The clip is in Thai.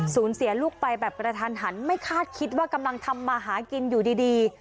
สูญเสียลูกไปแบบกระทันหันไม่คาดคิดว่ากำลังทำมาหากินอยู่ดี